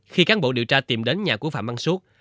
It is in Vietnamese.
khi cán bộ điều tra tìm đến nhà của phạm văn suốt